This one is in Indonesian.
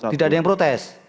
tidak ada yang protes